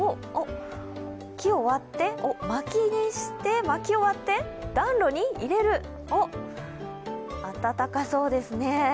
木を割ってまきにして、まきを割って暖炉に入れる、暖かそうですね。